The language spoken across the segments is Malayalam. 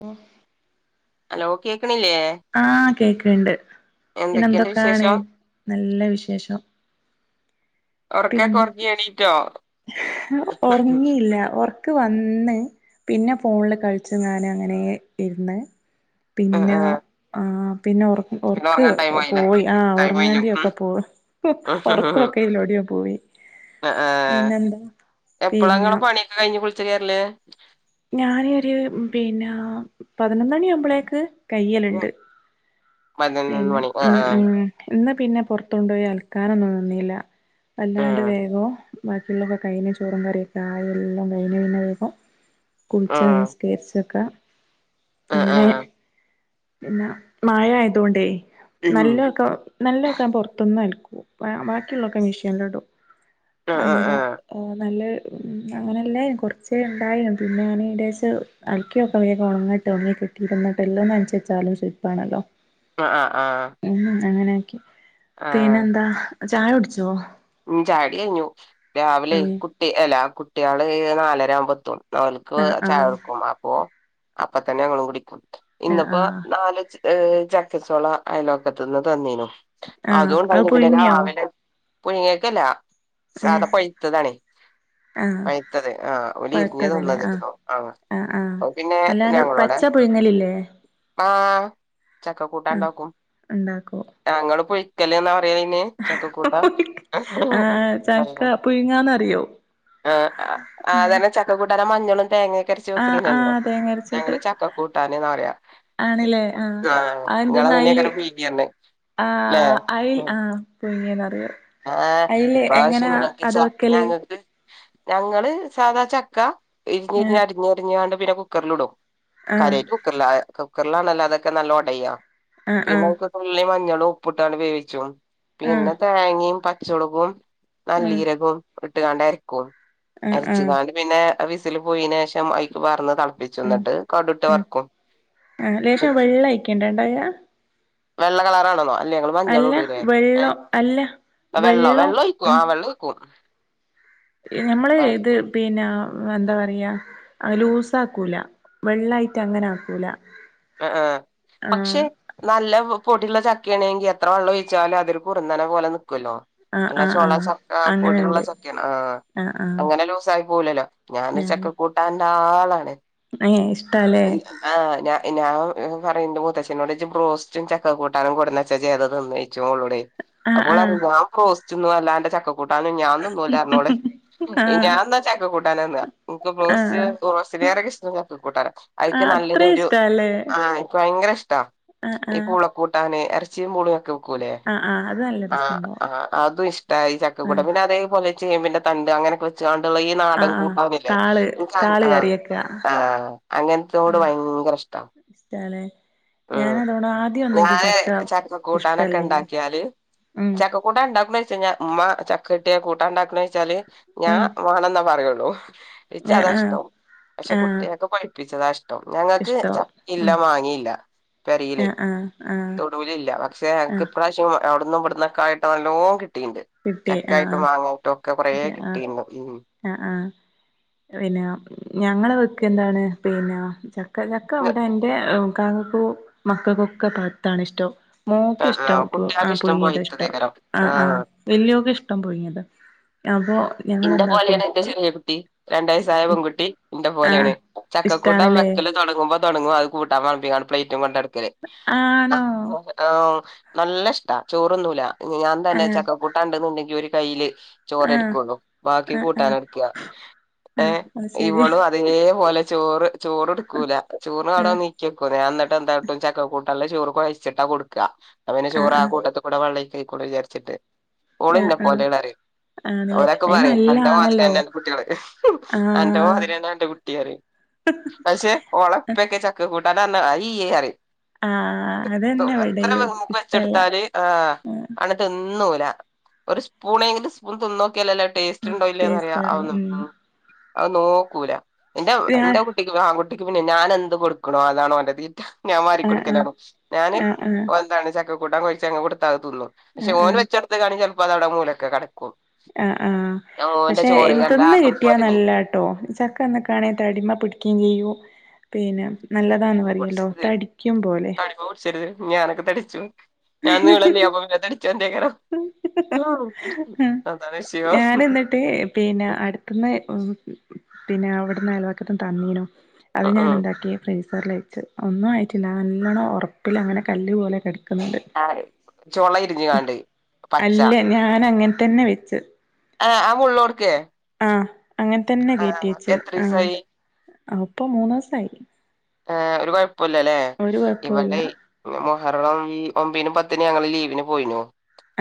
മ് ഹലോ കേ ആഹ കേക്ക്ണ്ട് പിന്നെ എന്തൊക്കെയുണ്ട് എന്തൊക്കാണ്. വിശേഷം നല്ല വിശേഷം. ഒറക്കൊക്കെ ഒർങ്ങി എണീറ്റോ? ഒർങ്ങീല്ല ഒർക്ക് വന്ന്. പിന്നെ ഫോണ്ൽ കൾച്ച് ഞാൻ അങ്ങനേ ഇര്ന്ന് ആഹ് പിന്നെ ആഹ് ആ പിന്നെ ഒറ പിന്നെ ഒർക്ക് ഉറങ്ങാൻ ടൈം ആയില്ലേ പോയി ആ ടൈം കഴിഞ്ഞു ഉം ഒർങ്ങേണ്ടിയൊക്കെ പോ ഒർക്കൊക്കെ എയ്ലൂടെയോ അ ആഹ് എപ്പളാ പിന്നെ ഇങ്ങളെ പണിയൊക്കെ കഴിഞ്ഞ് കുൾച്ച് കേറല്. ഞാനൊരു പിന്നെ പതിനൊന്നണിയാവുമ്പളേക്ക്. കയ്യല്ണ്ട് പതിനൊന്ന് പിന്നെ മണി ഉം ആഹ് ഊ ഇന്ന് പിന്നെ പൊർത്തൊണ്ടോയി അൽക്കാനൊന്നും നിന്നീല്ല അല്ലാണ്ട് ആഹ് വേഗവും ബാക്കിയുള്ളക്കെ കെയ്ഞ്ഞ് ചോറും കറിയൊക്കെ ആയി എല്ലാം കഴിഞ് പിന്നെ വേഗം കുളിച്ച ആഹ് നിസ്കരിച്ചൊക്കെ ആഹ് ആഹ് അങ്ങനെ ആഹ് പിന്നെ മായ ആയതോണ്ട് ഉം നല്ലൊക്കെ നല്ലൊക്കെ പൊറത്തുന്ന് അൽക്കൂ ബാക്കിയുള്ളൊക്കെ മിഷല്ല് ഇടും. ആഹ് അങ്ങനെ ആഹ് നല്ല അങ്ങനെല്ലായും കുറച്ചേ ഉണ്ടായി പിന്നെ ഞൻ ഏദേശം അൽക്കിയൊക്കെക്കെ ഉണങ്ങട്ട് ഒങ്ങി ട്ടി ഇരുന്നിട്ടെല്ലാം മനിച്ച വെച്ചാലും ശുരിപ്പാണല്ലോ. ആ ആ ആ പിന്നെന്താ ചായ കുടിച്ചുവോ? ഉം ചായുടി കഴിഞ്ഞു രാവിലെ ഏഹ് കുട്ടി അല്ല കുട്ടികള് നാലര ആവുബോ എത്തും നോൽക്ക് ആഹ് ചായ ആഹ് എടുക്കും അപ്പോ അപ്പൊ തന്നെ ഞങ്ങളും കുടിക്കും ആഹ് ഇന്നിപ്പോ ആഹ് നാല് ഏ ചക്കച്ചോള അയലോക്കത്ത് നിന്ന് തന്നീനു ആഹ് അതും അത് ഉണ്ടായിനി പിന്നെ പുഴുങ്ങിയോ രാവിലെ പുഴുങ്ങിയേക്കല്ല സാത ഏഹ് പഴുത്തതാണേ ആഹ് പഴുത്തത് ആ ഒല് ഇരിഞ് തന്നതെന്നു ആ ആ ആ അല്ലാണ്ട് പച്ച പുഴുങ്ങലില്ലേ? ആ ചക്ക കൂട്ടാൻ ആഹ് ഉണ്ടാക്കും ഉണ്ടാക്കോ [unintelligible] പിന്നെ ചക്കക്കൂട്ടാൻ ആഹ് ചക്ക പുഴുങ്ങാന്നറിയോ ആ ആ അതെന്നെ ചക്കക്കൂട്ടാൻ മഞ്ഞളും തേങ്ങ ചക്കരച്ച ആഹ് വെക്കണീന്നല്ലോ ആഹ് ഞങ്ങള് ചക്ക കൂട്ടാനന്ന് പറയാ ആണല്ലേ ആ ആഹ് അ ഇങ്ങളെ എന്തെന്നാ അയില് അങ്ങനെക്കാരം പീങ്ങിയർഞ്ഞ് ആ അയിൽ ആ പുയുങ്ങി എന്ന് പറയും ആ ഇപ്പാവശ്യം ഞങ്ങക്ക് സ്വ വെക്കല് ഞങ്ങക്ക് ഞങ്ങള് സാധാ ചക്ക ഇരിഞ്ഞിരിഞ്ഞ് ആഹ് അരിഞ്ഞരിഞ്ഞ കണ്ട് പിന്നെ കുക്കറിൽ ഇടും ആഹ് കാര്യായിട്ട് കുക്കറില കുക്കറിലാണെല്ല അതൊക്കെ നല്ല ഒടയാ ആഹ് പിന്നെ ആഹ് തുള്ളി മഞ്ഞൾ ഉപ്പിട്ടാണ് വേവിച്ചു ആഹ് പിന്നെ തേങ്ങയും പച്ചമുളകും ആഹ് നല്ലീരകവും ഇട്ടുകാണ്ടയിരിക്കും അരക്കും ആഹ് ആഹ് അരച്ച്കാണ്ട് പിന്നെ ഫീസിൽ പോയിന് ശേഷം അയ്ക്ക് പാർന്ന് തളപ്പിച്ചും ഉം ഇന്നെട്ട് കട് ഇട്ട് ഉം വർക്കും ആഹ് ലേശം വെള്ളയിക്കണ്ടേ ഇണ്ടാകാ വെള്ള കളറാണെന്നോ അല്ല ഞങ്ങള് മഞ്ഞൾ അല്ല ഇടുലേ ഏ വെള്ളം അല്ല വെള്ളം വെള്ളം ഒഴിക്കും ആ വെള്ളം ഒഴിക്കും ഞമ്മള് ഇത് പിന്നെ എന്താ പറയാ ലൂസ ആക്കൂല വെള്ളായിട്ട് അങ്ങനെ ആക്കൂല ആ ആ പക്ഷെ ആഹ് നല്ല പൊടി ഉള്ള ചക്ക ആണെങ്കിൽ എത്ര വെള്ളം ഒഴിച്ചാലും അതെരു കുറുനനെ പോലെ ല്ലോ ആഹ് നല്ലാ ആഹ് ചോള ആഹ് ചക്ക പൊടിയുള്ള അങ്ങനെണ്ട് ചക്കാണ് ആ ആഹ് ആഹ് അങ്ങനെ ലൂസ ആയി പോവുലല്ലോ ഞാൻനെരു ചക്കകൂട്ടാന്റെ ആളാണ് ഏ ഇഷ്ടല്ലേ പിന്നെ ആ പറയന്റെ മുത്തച്ഛനോട് ബ്രോസ്റ്റും ചക്ക കൂട്ടാനും കെടന്ന് വെച്ചാ ഇജ് ഏതാ തിന്നാ ചോയിച്ചും ഓളോട് ആഹ് അപ്പോ ഒള് ആഹ് പറയും ഞാൻ ബ്രോസ്റ്റ് തിന്നും അല്ലാന്റെ ചക്കക്കൂട്ടാനും ഞാൻ തിന്നൂല പറഞ് ഓള് ആഹ് ഞാൻ എന്നാ ചക്ക കൂട്ടാനാ തിന്നാ ഇൻക്ക് ആഹ് ബ്രോസ്റ്റ് ലേറെ ഇഷ്ട്ടം ചക്ക കൂട്ടാനാ അയ്ക്ക് അത്രയും ഇഷ്ടല്ലേ ആ എനിക്ക് ഭയങ്കര ഇഷ്ടാ ഈ ആഹ് പുളകൂട്ടാന് ഇറച്ചിയും പുളി ഒക്കെ വെക്കുലേ. ആഹ് ആഹ് അത് നല്ല ആ രസണ്ടാവും അതും ഇഷ്ട്ടാ ഈചക്ക കൂട്ടാൻ ആഹ് പിന്നെ അതേപോലെ ചേമ്പിന്റെ തണ്ട് അങ്ങനെയൊക്കെ വെച്ചൊണ്ടുള്ള ഈ നാടൻ ആഹ് ആഹ് കൂട്ടന്നില്ലേ താള് ഇൻക്ക് താള് ആ കറിയെക്കാ ആ അങ്ങനത്തോട് ഭയങ്കര ഇഷ്ടാ അങ്ങനെ ഉം ഞളെ ചക്ക കൂട്ടാനൊക്കെ ഇഷ്ടല്ലേനു ഉണ്ടാക്കിയാല് ഉം ചക്ക കൂട്ടാൻ ഉണ്ടാക്കുബേ [unintelligible] ഉമ്മ ചക്ക കിട്ടിയെ കൂട്ടാണ്ടാക്ക വെച്ചാല് ഞാൻ ഉം വേണെന്നാ പറയുള്ളൂ ഇച്ച്. ആഹ് അതാ ആഹ് ഇഷ്ടം പക്ഷെ ആഹ് കുട്ടിയാക്ക് പഴുപ്പിച്ചതാ ഇഷ്ട്ടം കേട്ടോ ഞങ്ങൾക്ക് ഇഷ്ടം ചക്കയില്ല ഉം മാങ്ങയില്ല പരേല് ആഹ് ആഹ് ആഹ് തൊടൂലില്ല പക്ഷെ നമ്മക്ക് ആഹ് ഇപ്രാവശ്യം അവിടന്നും ഇവിടുന്നൊക്കൊയിട്ട് നല്ലോം കിട്ടീണ്ട് കിട്ടി ചെക്കായിട്ട് ആഹ് മാാങ്ങയിട്ടും ഒക്കെ കുറേ ആഹ് ആഹ് ആഹ് കിട്ടീരുന്നു ഉം ആഹ് പിന്നെ ഞങ്ങള് വെക്ക് ഉം എന്താണ് പിന്നെ ചക്ക ചക്ക അവിടെ എന്റെ ഇക്കാക്കാക്കും മക്കൾക്കൊക്കെ പത്തണ് ഇഷ്ട്ടം മോൾക്ക് ആഹ് ആഹ് ഇഷ്ടം ആ കുട്ടികൾക്ക് പുയ്ങ്ങിയതാ ഇഷ്ടം പഴുത്തതേക്കാരം ആ ആ ആഹ് വല്യോക്ക് ഇഷ്ടം പുഴിങ്ങിയത് അപ്പോ ഇന്റെ പോലെയാണ് എന്റെ ചെറിയ കുട്ടി രണ്ട് വയസ്സായ പെൺകുട്ടി ഇന്റെ ആ പോലെയാണ് ചക്കക്കൂട്ടാൻ വ ഇഷ്ടാണല്ലേ വെക്കല് തുടങ്ങുമ്പോ തുടങ്ങും അത് കൂട്ടാൻ വളമ്പികാണ്ട് പ്ലേറ്റും കൊണ്ടടുക്കല് ആണോ നല്ല ഇഷ്ടാ ചോറൊന്നുല ഞാൻ ആ തന്നെ ചക്കക്കൂട്ട ഉണ്ടന്നുണ്ടെങ്കി ഒരു കയ്യില് ആ ചോറെട്കൊളളൂ ബാക്കി ആ ആ കൂട്ടാന എടുക്കുക ആ ഏ അത് ശരി ഇവളും അതേപോലെ ചോറ് ചോറ്ടുക്കൂല ആ ചോറ്വടെ നീക്കിവക്കും എന്നിട്ട് എന്താട്ടും ചക്ക കൂട്ടാൻ ചോറ് കൊഴിച്ചിട്ടാ കൊടുക്കുക അ പിന്നെ ചോറ് ആ കൂട്ടത്തിൽ കൂടെ പള്ളേക്ക് ആയിക്കൊട്ടെ വിചരിച്ചിട്ട് ആ ഓള്‌ന്നെ ആ പോലുള്ള റിം ആണല്ലേ ഓലെ അയിന് പറയും നല്ല അന്റെറെ ആണല്ലോ മതിരന്നെ അന്റെ കുട്ടികള് ആ അന്റെ മതിരി തന്നെ അന്റെ കുട്ടി റിം പക്ഷെ ഒളപ്പൊക്കെ ചക്ക കൂട്ടാനാഞ്ഞെ അയിയേറിം ആ അതന്നെ എത്ര ഇവിടെയും മുമ്പ്ക്ക് ഇഷ്ടല്ല വെച്ചെടുത്താല് ആ ആണ്ട് തിന്നും ഓല് ഒരു സ്പൂണങ്കിൽ സ്പൂൺ തിന്നു നോക്കിയാലല്ല ടേസ്റ്റ് ആ ഉണ്ടോ ഇല്ലന്ന്റിയ ടേസ്റ്റ് അറിയാം അതൊന്നു ഉം അത് നോക്കൂല എന്റെ എന്റെ ആഹ് കുട്ടിക്ക് പിന്നെ ഞാൻ എന്ത് കൊടുക്കണോ അതാണോ ൻ്റെ തീറ്റ ഞാൻ ആഹ് ആഹ് വാരിക്കൊടുക്കലാണ് ഞാന് ആഹ് ആഹ് എന്താണ് ചക്ക കൂട്ടാൻ കൊഴച്ചങ്ങ് കൊടുത്താ അത് പക്ഷെ ഓന് ആഹ് വെച്ചടുത്തകാണെ ചിലപ്പോ അതവിടെ മൂലൊക്കെ കിടക്കും ആഹ് ആഹ് പക്ഷെ കണ്ടാ തിന്ന് ആക്കം കിട്ടിയാ പോലെ നീ നല്ലാട്ടോ ചക്കന്നൊക്കാണെ ത അടിമ പിടിക്കുകയും ചെയ്യൂ പിന്നെ നല്ലതാന്ന് പറയല്ലോ പൊടിച്ചരുത് തടിക്കും പോലെ തടിമ പിടിച്ചരുത് ഞാനൊക്കെ തടിച്ചു ഞാൻ നീളല്ലെ അപ്പ തടിച്ചു എന്തക്കാരം വിഷയം ഞാൻ എന്നിട്ട് പിന്നെ അടുത്തന്ന് പിന്നെ അവിടുന്ന് അയലവാക്ക തന്നീനോ അത് ഞാൻ ഉം എന്താക്കിയ ഫ്ര റിലഴച്ച് ഒന്നും ആയിട്ടില്ല നല്ലോണ്ണം ഉറപ്പിൽ അങ്ങനെ കല്ല് പോലെക്കെടിക്കുന്നുണ്ട് ആ ചോള ഇരിഞ്ഞു കാണ്ട് പച്ച അല്ല ഞാൻ അങ്ങനെ തന്നെ വെച്ച് ആഹ് അമൂള്ളാട്ക്കെ ആഹ് അങ്ങനെ തന്നെ കെറ്റി വച്ച് ണ് എത്രീസായി ആ അപ്പൊ മൂന്നു ദിവസയി ആ ഒരു കുഴപ്പല്ലല്ലേ കൊഴപ്പൂല്ല ഇവിടെ കാരണം ഈ ഒമ്പിന് പത്തിന് ഞങ്ങള് ലീവിന് പോയിനോ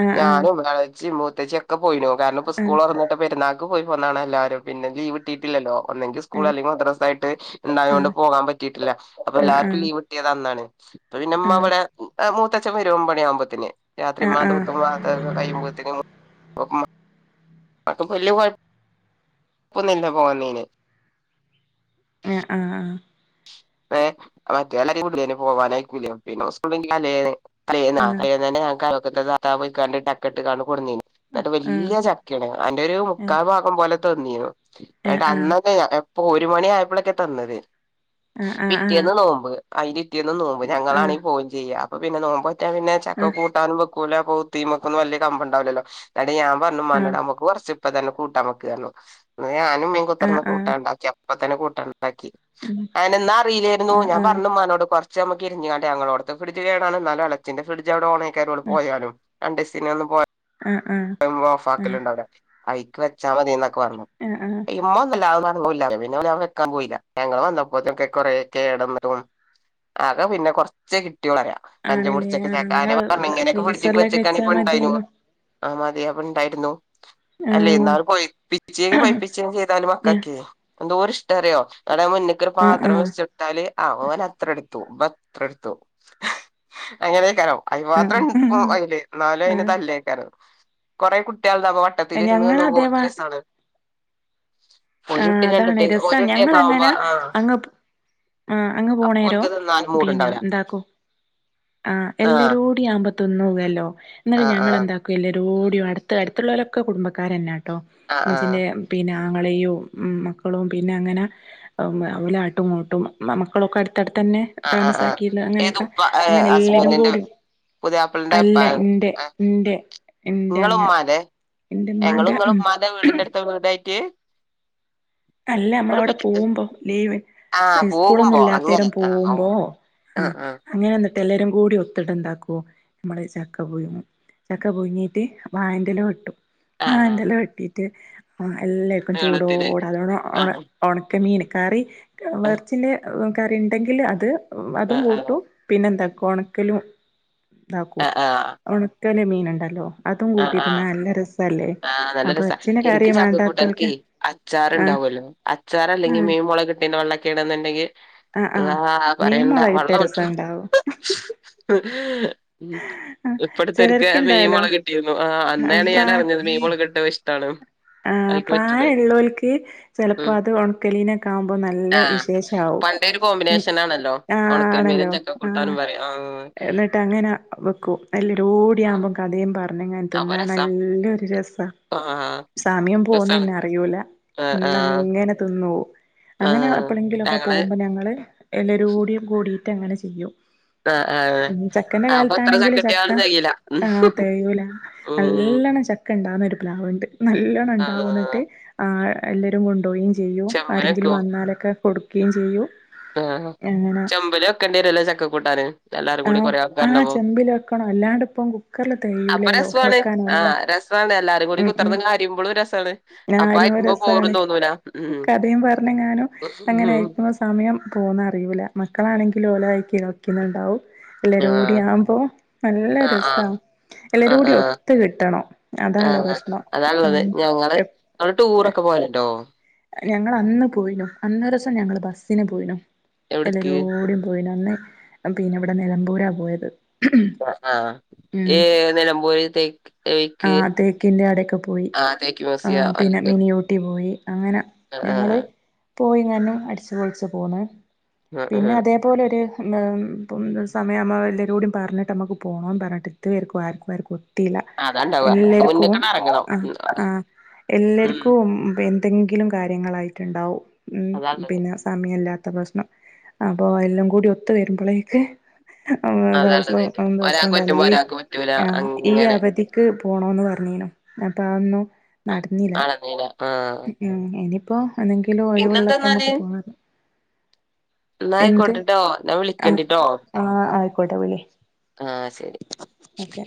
ആഹ് ഞാനും എള ച്ചിം മൂത്തേച്ചൊക്കെ പോയിനു കാരണം ഇപ്പോ സ്കൂൾ ആഹ് തൊറന്നിട്ട പെരുന്നാക്ക് പോയി പോന്നാണ് എല്ലാവാരും പിന്നെ ലീവ് കിട്ടിട്ടില്ലല്ലോ ഒന്നെങ്കിൽ സ്കൂൾ ആഹ് അല്ലെങ്കിൽ മദ്രസ ആയിട്ട്ണ്ടായത് കൊണ്ട് പോകാൻ പറ്റിട്ടില്ല അപ്പൊ ആഹ് എല്ലാവർക്കും ആഹ് ലീവ്ട്ടിയ താപ്പൊ ന്നാണ് പിന്നെമ്മ അവിടെ ആഹ് മൂത്തച്ഛൻ വരും ഒമ്പത് മണിയാവുമ്പോത്തന്നെ രാത്രി മ്മാൻ്റെ ആഹ് ഓത്തും പട്ടും കയിയുമ്പോഴത്തേും അപ്പ വല്യ കൊഴ പ്പൊന്നുല്ല്യ പോകന്നീന് ആഹ് ആഹ് ആഹ് ഏ മറ്റേ എല്ലാരെയും കൂടെ പോവാനായിക്കൂല പിന്നെ [unintelligible] അല്ലേ തലേന്ന് തലേന്നെന്നെ ഞങ്ങൾക്ക് അയലക്കത്തെ താത്ത പോയിക്കാണ്ട് ചക്കെട്ട് കൊട്ന്നീനി എന്നിട്ട് ആഹ് വല്യ ചക്കയാണ് അന്റെ ഒരു മുക്കാൽ ഭാഗം പോലെ തന്നിനു ആഹ് എന്നട്ട് ആഹ് ആഹ് ആഹ് ആഹ് ആഹ് ആഹ് അന്നക്കെ ഇപ്പൊ ഒരു മണി ആയപ്പോളൊക്കെ തന്നത് പി ആഹ് പിറ്റേന്ന് നോമ്പ് അയ്ൻ്റെ പിറ്റേന്ന് നോമ്പ് ഞങ്ങളാണെങ്കിൽ പോയി ചെയ്യാം അപ്പൊ പിന്നെ നോമ്പ് മറ്റേ പിന്നെ ചക്ക ആഹ് കൂട്ടാനും വെക്കൂല പൊവ്ത്തിമക്കൊന്നും വല്ല്യ കമ്പം ഉണ്ടാവില്ലല്ലോ അടെ ഞാൻ പറഞ്ഞു ആഹ് മ്മാനോട് നമ്മക്ക് കൊറച്ചു ഇപ്പ തന്നെ കൂട്ടാൻ വക്ക ഞാനും മ്മീംൻ ആഹ് കൂടി ആഹ് കൂട്ടാണ്ടാക്കിയ അപ്പ തന്നെ കൂട്ടാൻ ണ്ടാക്കി ഉം അയ്ന് ന്നാ അറിലേര്ന്നു ആഹ് ഞാൻ ആഹ് പർഞ്ഞ്മ്മനോട് കൊറ ച്ച മക്ക് ഇര്ഞ്ഞ്ങ്ങാണ്ട് ഞങ്ങളോട്ത്തെ ഫ്രഡ്ജ് കേടാണ് ന്നാലും എളച്ചിന്റെ ഫ്രിഡ്ജ് അവടെ ഓണേക്കാരം ഓള് പോയാലും രണ്ടീസിനൊന്നും പോ ആഹ് ആഹ് [unintelligible] ആഹ് ഓഫക്കല്ണ്ടാവടെ അയ്ക്ക് വെച്ചാ മതി ന്നൊക്കെ പറിം ആഹ് ആഹ് ഇമ്മ ന്നൊല്ല [unintelligible] പിന്നെ വെക്കാൻ പോയില്ല ഞങ്ങള് വന്നപ്പോ കൊറെ കേട ന്ന്ട്ട് ആകെ പിന്നെ കൊറച്ച് കി കുട്ട്യാള് പറ ആണല്ലേ [unintelligible] ഞാൻ ആഹ് പറഞ്ഞു ഇങ്ങനെയൊക്കെ ഫ്രിഡ്ജ്ക് ഫ്രീസറിലൊക്കെ വെച്ചക്കാണെ വെച്ചാ ഇപ്പണ്ടായിു മതിയേനു അത് മതി അവിടെ ഉണ്ടായിരുന്നു അല്ലേയ് ആഹ് ഇന്നാള് കൊയ്‌പിച്ചീനി പഴപ്പിച്ചീനി ചെയ്താല് ഞ മക്കൊക്കെ എന്തോരിഷ്ടാറ്യോ നടാവമുന്ന്ക്കൊരു ആഹ് പാത്രം ആഹ് വെച്ചൊട് ആ ഓല ത്ര ട്ത്തു ബത്ര ട്ത്തു അങ്ങനെക്കാരം അയ്ന് മാത്ര [unintelligible] ആഹ് അയ്ല് ഇന്നാലയ്ന് ആഹ് തല്ലേകാരം കുറെ കു ട്ട്യള്ണ്ടാവുമ്പം വട്ടത്തിലിര്ന്ന്ന്നുമ്പം ഓല്ക്ക് രസാണ്. ആ ഒരു കുട്ടി രണ്ട് അതാണ് കുട്ടി രസ ഒരു ഞങ്ങള കുട്ടിയൊക്കെ ആവുമ്പോ അങ്ങനാ ആ അങ്ങ് പ് ആ അങ്ങ് പോണേരോ അപ്പോൽക്ക് തിന്നാനും പിന്നെ മൂടുണ്ടാവൂല ന്താക്കും ആ ആഹ് എല്ലരോട് ഈ അമ്പ തിന്നുലല്ലോ ന്നട്ട് ആഹ് ആഹ് ഞങ്ങളെന്താക്കു എല്ലരോടു അട്‌ത്തെ അട്ത്ത്ള്ളോലൊക്കെ കുടുംബക്കാരെന്ന ട്ടോ ആഹ് ആഹ് ഇമ്മച്ചിന്റെ പിന്നെ ആങ്ങളെയും മ് മക്കളും പിന്നെ അങ്ങന അ് അവലാട്ടുങ്ങോട്ടും മ് മ് മക്കളൊക്കട് ട്ട ട്ത്തെനെ ആഹ് ആഹ് ആഹ് താമസാക്കില ഏത് അങ്ങനെക്കെ ഉപ്പ അങ്ങനെ എല്ലരും ഹസ്ബൻഡിന്റെ കൂടി പുതിയാപ്പൾന്റെ അല്ല ഇന്റെ ഇന്റെ ഇന്റെ അങ്ങ് നിങ്ങളെമ്മാൻ്റെ ഏ ഇങ്ങള് ഇന്റെമ്മാന്റെ ഇങ്ങളെ ഉം മ്മാൻ്റെ വീടിന്റ ട്ത്ത വീടായ്റ്റ്യേ? അല്ല അമ്മളവടെ പോവുമ്പോ ലീവ് ആഹ് പോകുമ്പോ അങ്ങനെ സ്കൂളൊന്നില്ലാത്തേരം ആഹ് പോവുമ്പോ ഓഹ് ആ ആഹ് ആഹ് അങ്ങനെ ന്നട്ട് എല്ലാരും കൂടി ഒത്ത്ട്ടെന്താക്കും ഞമ്മള് ചക്ക പുഴുങ്ങും. ചക്ക പൊയ്ങ്ങീട്ട് വായൻ്റെല വെട്ടും. ആഹ് ആൻ്റെല വെട്ടിട്ട് എല്ലാർക്കും ചൂടോ നീളത്തില് അതാണെ ഒണ ആഹ് ഒണക്കമീൻ കറി ആഹ് വെർച്ചിൻ്റെ കറി ണ്ടെങ്കിൽ അത് അതും ആഹ് കൂട്ടും ആഹ് പിന്നെ ന്താക്കും ഒണക്കലും താക്കും ആഹ് ഒണ ക്കല് മീന്ണ്ടല്ലോ അതും ആഹ് കൂട്ടി ആഹ് തിന്നാ നല്ല രസല്ലേ ആഹ് നല്ല അപ്പോ രസാ എർച്ചിൻ്റെ കറി മാണ്ടാത്തോൽക്ക് ണ്ടാവല്ലോ അച്ചാറലെങ്കി മീൻമോള കിട്ടെൻ്റെ വെള്ളെക്കേണ്ന്ന് ണ്ടെങ്കി ആഹ് അള്ളാ ആഹ് അഅ് മീൻ പറ്യണ്ട മുളകിട്ട വെള്ള ഉറ്റും രസണ്ടാവും ഉം ആഹ് ഇപ്പട്ത്തൊര്ക്കെ ഞാൻ മീൻ ചിലർക്ക്ണ്ടായാലോ മൊളകിട്ടിരുന്നു ആ അന്നാണ് ഞാനർഞ്ഞത് മീൻ മോളകിട്ടെഷ് ട്ടാണ്. ആ ആ പ്രായള്ളോൽക്ക് ചെല് പ്പോ ഉം അത് ഒണക്കലീനെക്കാവുമ്പോ നല്ല ആഹ് വിശേഷവും. പണ്ടേ ഒരു ഉം കോമ്പിനേഷൻ ആണല്ലോ ആ ഒണക്കൽ മീനും ആണല്ലോ ആ ചക്കക്കൂട്ടാനും പറയും ആഹ് എന്നിട്ട് അങ്ങനെ വെക്കും എ ആഹ് ല്ലരൂട്യാവുമ്പം കഥയും പർഞ്ഞ്ങ്ങനെ തിന്നാ നല്ലൊരു രസ ആ ആ സമയം പോവുന്നെ ന്നറിയൂല ആഹ് ഉം ആഹ് അങ്ങനെ തിന്നോവും അങ്ങനെ ആഹ് എപ്പളെങ്കിലൊക്കെ ഞങ്ങള് പോവുമ്പം ഞങ്ങള് എല്ലരൂടിം കൂടിട്ട് അങ്ങനെ ചെയ്യും ആഹ് ആഹ് ഉം ചക്കന്റെ അപ്പൊ എത്ര കാലത്താണെങ്കിൽ ചക്ക ചക്കട്ടിയാലും തെകയില്ല ആ തേയൂല ന ഉം ല്ലണ ചക്കണ്ടാവ്ന്നൊരു പ്ലാവുണ്ട് ആഹ് നല്ലെണണ്ടാവും ന്നട്ട് ആ അ് എല്ലരും കണ്ടോവും ചെ ചെയ്യും ആരെങ്കിലും വന്നാലൊക്കെ കൊട്ക്കേം ചെയ്യും. ആ അങ്ങനെ ചെമ്പ് ല് വെക്കെണ്ട്യരൊല്ലോ ചക്ക കൂട്ടാന്. എല്ലാരും കൂടി ആഹ് കൊറേ ആഹ് ആൾക്കാര്ണ്ടാവുമ്പം ചെമ്പില് വെക്കണം അല്ലാണ്ട്പ്പം കുക്കറില് അപ്പൊ തെകയൂലേലോ രസ്വാണ് ആ വെക്കാനാവൂലല്ലോ ര സാണ് എല്ലാരും കൂടി ഉം ഉം കുത്തർന്ന് അരിമ്പളും രസാണ് അപ്പ കാര്യം അരിമ്പം ബോറും തോന്നൂല ഉം ന്നങ്ങാനും അങ്ങനെ ആയിരിക്കുന്ന സമയം പോവുന്നറിയൂല്ല മക്കളാണെങ്കിൽ ഓലയ്കി കളിക്ക്ണ് ണ്ടാവും എല്ലരൂടി ആഹ് ആവുമ്പോ നല്ല ആഹ് രസം ആഹ് എല്ലരൂടിം ഒത്ത് കിട്ടണം ആ അതാണ് പ്രശ്നം അതാള്ളത് ഉം ഞങ്ങള് ഇങ്ങള് ടൂറൊക്കെ പോവല്ണ്ടോ? ഞങ്ങളന്ന് പോയിനു അന്നൊരു സം ഞങ്ങള് ബസ്സിന് പോയിനു. എവിട്ക്ക് എല്ലാരോടിം പോയിനി അന്ന് പിന്നെ ഇവിടെ നിലമ്പൂരാ പോയത്. ആ ഉം ഈ നിലമ്പൂര് തേക്ക്. ആ തേക്ക് തേക്കിൻ്റാടെക്കെ പോയി ആ തേക്ക് ആ മ്യൂസിയം പിന്നെ അയ്ക്ക് മിനി ഊട്ടി പോയി. അങ്ങനെ ആഹ് ഞങ്ങള് പോയിങ്ങാന്ന് അടിച്ചുപൊളിച്ചു പോന്നു. ആഹ് പിന്നെ ആഹ് അതേപോലൊര് ഇപ്പം സമയം ആവുമ്പൊ എല്ലാവരോടും പറഞ്ഞിട്ട് നമുക്ക് പോണംന്ന് പറഞ്ഞിട്ട് ഇതാർക്കും ആർക്കും ആർക്കും ഒത്തീല്ല. അതാണ്ടാവ എല്ലാർക്കും മുന്ന്ക്കണ്ട് എറങ്ങണം ആ ആ ഉം എല്ലർക്കും പി എന്തെങ്കിലും കാര്യങ്ങളായിട്ടുണ്ടാവും അതാള്ളത് പിന്നെ സമയംല്ലാത്ത പ്രശ്നം അപ്പൊ എല്ലാം കൂടി ഒത്ത് വരുമ്പഴേക്ക്. ദിവസ അതാള്ളത് ദിവസം ഒരാക്ക് ഉണ്ടാവൂല പറ്റുമ്പോ ഈ ഒരാക്ക് പറ്റൂല ആ ഈ അങ്ങനെ അവധിക്ക് പോണന്ന് പറഞ്ഞീനു അപ്പ അതൊന്നും നടന്നില്ല. ആണന്നീന ആഹ് അപ്പൊ ആണെങ്കിലും ഒഴിവുള്ളപ്പോ നമ്മുക്ക് പോണ എന്നായിക്കോട്ടെട്ടോ ഞാൻ ആഹ് വിളിക്കേണ്ടിട്ടോ ആഹ് ആയിക്കോട്ടെ വിളി ആ ശരി. ഓക്കെ